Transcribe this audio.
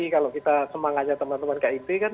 kalau kita semangatnya teman teman kib kan